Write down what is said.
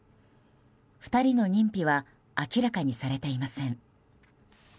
２人の認否は明らかにされていません。